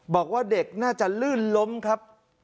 บอกว่าเด็กน่าจะลื่นล้มครับ